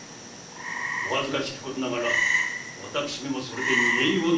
お恥ずかしきことながら私めもそれで煮え湯を飲まされました。